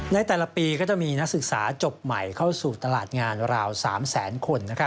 ในแต่ละปีก็จะมีนักศึกษาจบใหม่เข้าสู่ตลาดงานราว๓แสนคน